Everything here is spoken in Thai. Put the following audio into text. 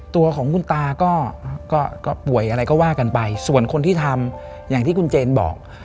ตัวของคุณตาก็ป่วยอะไรก็ว่ากันไปส่วนคนที่ทำอย่างที่คุณเจนบอก